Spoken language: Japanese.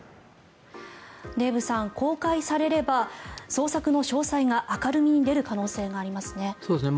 デーブさん、公開されれば捜索の詳細が明るみに出る可能性がありますね。